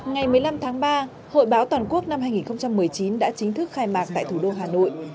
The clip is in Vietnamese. ngày một mươi năm tháng ba hội báo toàn quốc năm hai nghìn một mươi chín đã chính thức khai mạc tại thủ đô hà nội